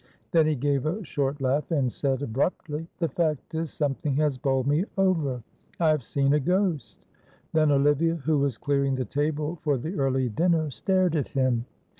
Then he gave a short laugh, and said, abruptly, "The fact is, something has bowled me over I have seen a ghost." Then Olivia, who was clearing the table for the early dinner, stared at him.